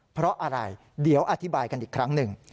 เพราะอะไรเดี๋ยวอธิบายกันอีกครั้งหนึ่ง